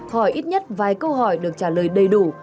hỏi ít nhất vài câu hỏi được trả lời đầy đủ